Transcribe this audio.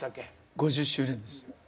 ５０周年です。